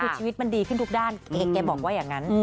คือชีวิตมันดีขึ้นทุกด้านแกบอกว่าอย่างนั้น